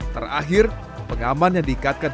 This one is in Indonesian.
terakhir pengaman yang diikatkan